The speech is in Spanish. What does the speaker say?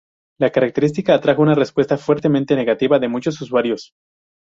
La característica atrajo una respuesta fuertemente negativa de muchos usuarios.